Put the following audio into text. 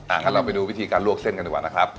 งั้นเราไปดูวิธีการลวกเส้นกันดีกว่านะครับ